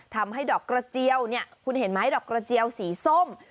ทำให้ดอกกระเจียวเนี่ยคุณเห็นไหมดอกกระเจียวสีส้ม